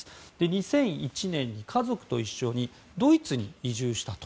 ２００１年に家族と一緒にドイツに移住したと。